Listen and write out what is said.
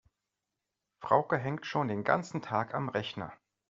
Frauke hängt schon den ganzen Tag am Rechner.